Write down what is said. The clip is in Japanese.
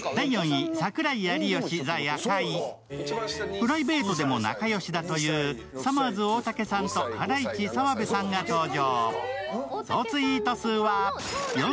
プライベートでも仲良しだというさまぁず・大竹さんと、ハライチ・澤部さんが登場。